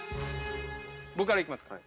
僕からいきます。